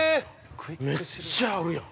めっちゃあるやん。